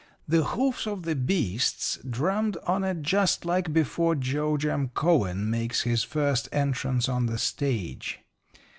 The hoofs of the beasts drummed on it just like before George M. Cohan makes his first entrance on the stage.